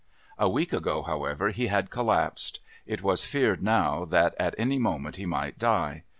A week ago, however, he had collapsed. It was feared now that at any moment he might die.